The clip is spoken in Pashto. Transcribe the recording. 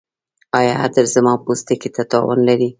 ایا عطر زما پوستکي ته تاوان لري؟